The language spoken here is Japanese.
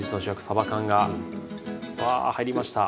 さば缶がわあ入りました。